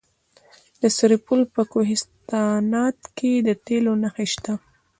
د سرپل په کوهستانات کې د تیلو نښې شته.